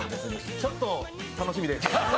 ちょっと楽しみです。